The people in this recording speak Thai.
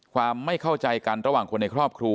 ความไม่่าวใจกันระหว่างคนในครอบครัว